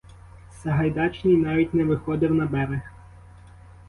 Сагайдачний навіть не виходив на берег.